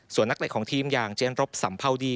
ส่วนนักเตะของทีมอย่างเจนรบสัมภาวดี